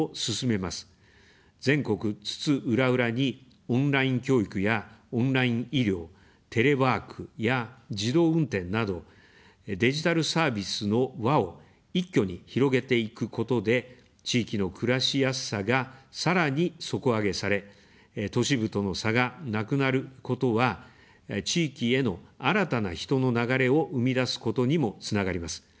全国津々浦々に、オンライン教育やオンライン医療、テレワークや自動運転など、デジタルサービスの輪を一挙に広げていくことで、地域の暮らしやすさが、さらに底上げされ、都市部との差がなくなることは、地域への新たな人の流れを生み出すことにもつながります。